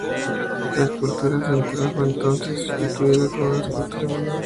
La escultura central fue entonces sustituida con una escultura menor.